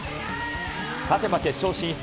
勝てば決勝進出。